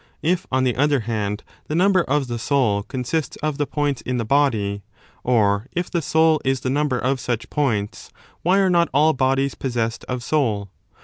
If, on the other hand, the number of the soul consists of the ar points in the body, or if the soul is the number of such points, why are not all bodies possessed of soul?